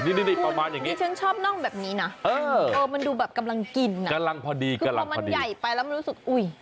นี่ประมาณอย่างนี้มันดูแบบกำลังกินพอมันใหญ่ไปแล้วมันรู้สึกอุ๊ย